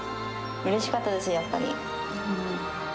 うれしかったです、やっぱり。